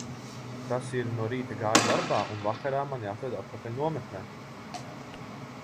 Tas ir no rīta gāju darbā un vakarā mani atveda atpakaļ nometnē.